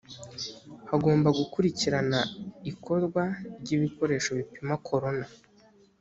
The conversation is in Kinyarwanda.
hagomba gukurikirana ikorwa ry ibikoresho bipima corona